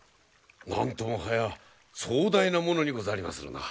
なんともはや壮大なものにござりまするな。